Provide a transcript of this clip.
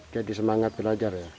jadi semangat belajar ya